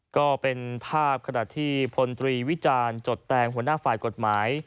ก็เป็นภาพขณะที่พลตรีวิจารณ์จดแตงหัวหน้าฝ่ายกฎหมาย